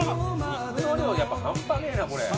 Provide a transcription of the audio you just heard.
肉の量やっぱ半端ねえなこれ。